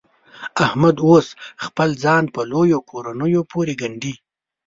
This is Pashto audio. احمد اوس خپل ځان په لویو کورنیو پورې ګنډي.